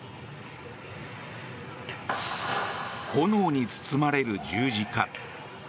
炎に包まれる十字架。